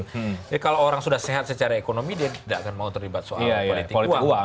jadi kalau orang sudah sehat secara ekonomi dia tidak akan mau terlibat soal politik uang